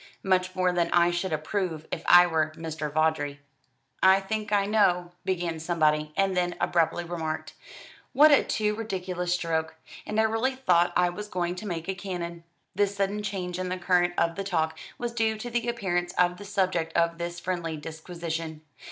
"Much more than I should approve if I were Mr. Vawdrey." "I think I know " began somebody, and then abruptly remarked: "What a too ridiculous stroke! And I really thought I was going to make a cannon." This sudden change in the current of the talk was due to the appearance of the subject of this friendly disquisition.